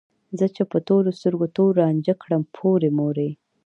زه چې په تورو سترګو تور رانجه کړم پورې مورې